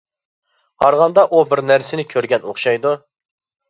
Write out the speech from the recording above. قارىغاندا ئۇ بىر نەرسىنى كۆرگەن ئوخشايدۇ.